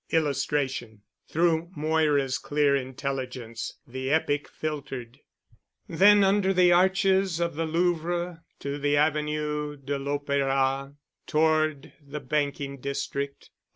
[Illustration: THROUGH MOIRA'S CLEAR INTELLIGENCE THE EPIC FILTERED] Then under the arches of the Louvre to the Avenue de l'Opera, and toward the banking district.